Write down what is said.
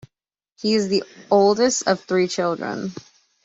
He is the oldest of three children.